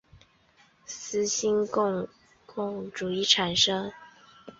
革新共产主义生态左翼是希腊的一个已不存在的共产主义政党。